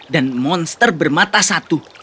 dan monster bermata satu